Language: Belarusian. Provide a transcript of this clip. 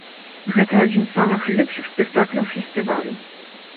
Гэта адзін з самых лепшых спектакляў фестывалю.